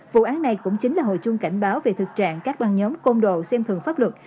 vụ án này cũng chính là hội chung cảnh báo về thực trạng các ban nhóm công đồ xem thường pháp luật